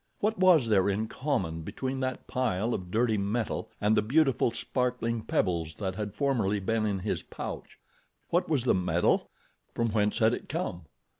What was there in common between that pile of dirty metal and the beautiful, sparkling pebbles that had formerly been in his pouch? What was the metal? From whence had it come?